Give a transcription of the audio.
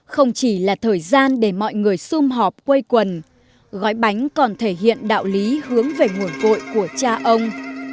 không chỉ là thời gian để mọi người xung họp quây quần gói bánh còn thể hiện đạo lý hướng về nguồn vội của cha ông